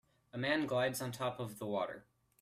A man glides on top of the water.